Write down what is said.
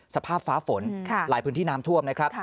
สภาพฟ้าฝนหลายพื้นที่น้ำท่วมนะครับ